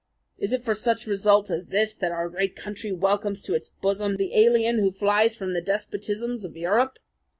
Is it for such results as this that our great country welcomes to its bosom the alien who flies from the despotisms of Europe?